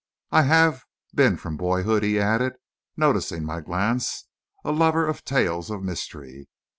"I have been from boyhood," he added, noticing my glance, "a lover of tales of mystery.